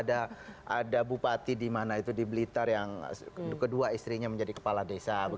ada bupati di mana itu di blitar yang kedua istrinya menjadi kepala desa